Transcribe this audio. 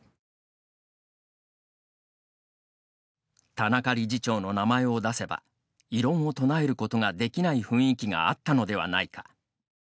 田中理事長の名前を出せば異論を唱えることができない雰囲気があったのではないか。